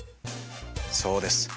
そうです。